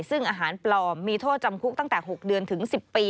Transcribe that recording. ซึ่งอาหารปลอมมีโทษจำคุกตั้งแต่๖เดือนถึง๑๐ปี